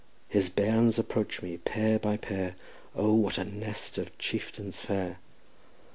His bairns approach me, pair by pair, O what a nest of chieftains fair!